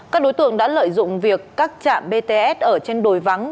các đối tượng đã lợi dụng việc cắt chạm bts ở trên đồi vắng